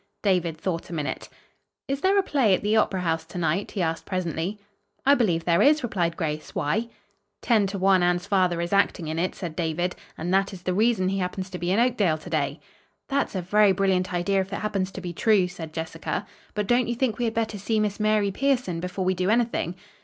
David thought a minute. "Is there a play at the Opera House to night?" he asked presently. "I believe there is," replied Grace. "Why?" "Ten to one Anne's father is acting in it," said David, "and that is the reason he happens to be in Oakdale to day." "That's a very brilliant idea if it happens to be true," said Jessica. "But don't you think we had better see Miss Mary Pierson before we do anything?"